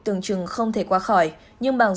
từng trường không thể qua khỏi nhưng bằng